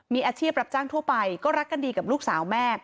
มีอาชีพรับจ้างทั่วไปก็รักกันดีกับลูกสาวแม่